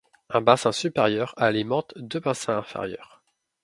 Un bassin supérieur alimente deux bassins inférieurs.